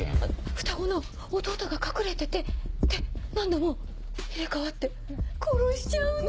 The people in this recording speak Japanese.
双子の弟が隠れててで何度も入れ替わって殺しちゃうの。